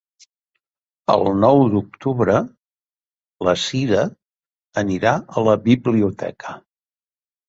El nou d'octubre na Sira anirà a la biblioteca.